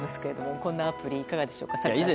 こんなアプリ、いかがでしょうか櫻井さん。